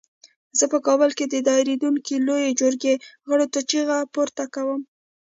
زه په کابل کې د دایریدونکې لویې جرګې غړو ته چیغه پورته کوم.